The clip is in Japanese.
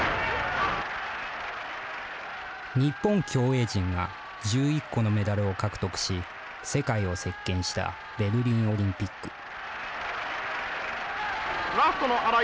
日本競泳陣が１１個のメダルを獲得し、世界を席けんしたベルリンオリンピック。